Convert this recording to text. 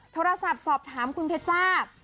โทรศัพท์สอบถามคุณเพชจ้า